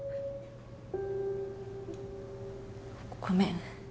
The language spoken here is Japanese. ごめん。